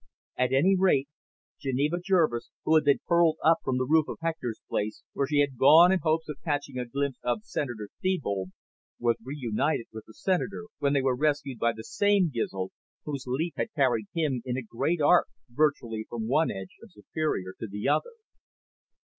At any rate, Geneva Jervis, who had been hurled up from the roof of Hector's palace, where she had gone in hopes of catching a glimpse of Senator Thebold, was reunited with the Senator when they were rescued by the same Gizl, whose leap had carried him in a great arc virtually from one edge of Superior to the other.